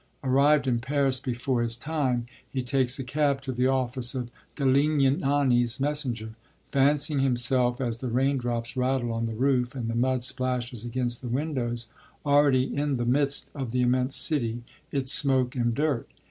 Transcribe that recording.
Arrived in Paris before his time, he takes a cab to the office of Galignani's Messenger, fancying himself, as the rain drops rattle on the roof and the mud splashes against the windows, already in the midst of the immense city, its smoke and dirt.